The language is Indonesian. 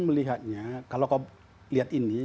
melihatnya kalau kau lihat ini